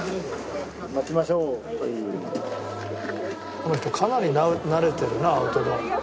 「この人かなり慣れてるなアウトドア」